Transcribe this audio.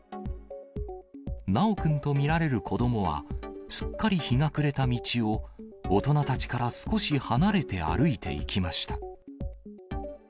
修くんと見られる子どもは、すっかり日が暮れた道を、大人たちから少し離れて歩いていきました。